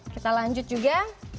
kita lanjut juga